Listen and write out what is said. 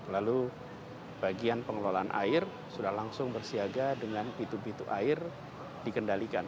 lalu bagian pengelolaan air sudah langsung bersiaga dengan pintu pintu air dikendalikan